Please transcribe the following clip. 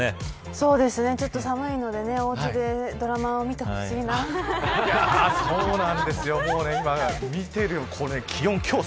そうですね、ちょっと寒いのでおうちでドラマを見てほしいな。